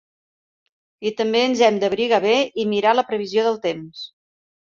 I també ens hem d'abrigar bé i mirar la previsió del temps!